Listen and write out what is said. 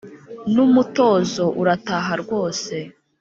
N'umutozo urataha rwose